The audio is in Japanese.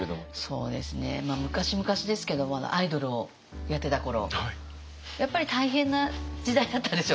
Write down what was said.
そうですね昔々ですけどもアイドルをやってた頃やっぱり大変な時代だったんですよ